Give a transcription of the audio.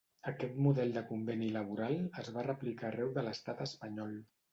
Aquest model de conveni laboral es va replicar arreu de l'Estat espanyol.